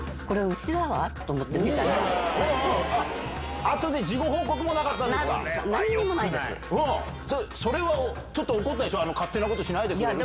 ちょっと、それはちょっと、怒ったでしょ、勝手なことしないでくれるって。